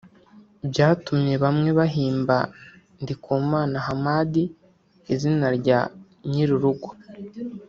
byatumye bamwe bahimba Ndikumana Hamad izina rya Nyirurugo